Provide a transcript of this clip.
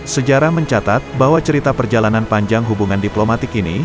sejarah mencatat bahwa cerita perjalanan panjang hubungan diplomatik ini